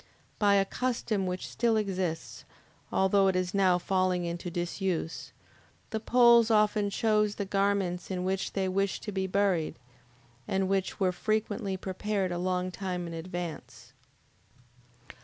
By a custom which still exists, although it is now falling into disuse, the Poles often chose the garments in which they wished to be buried, and which were frequently prepared a long time in advance.